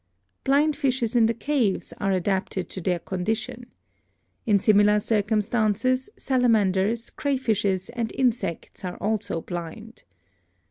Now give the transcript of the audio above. Blind fishes in the caves are adapted to their condition. In similar circumstances salamanders, crayfishes and in sects are also blind.